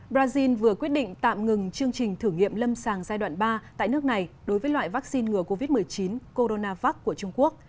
brazil vừa quyết định tạm ngừng chương trình thử nghiệm lâm sàng giai đoạn ba tại nước này đối với loại vaccine ngừa covid một mươi chín coronavac của trung quốc